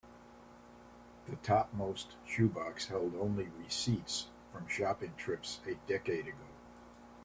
The topmost shoe box held only receipts from shopping trips a decade ago.